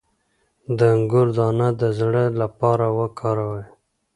د انګور دانه د زړه لپاره وکاروئ